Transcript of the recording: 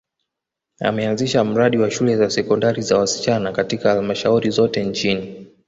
ameanzisha mradi wa shule za sekondari za wasichana katika halmashauri zote nchini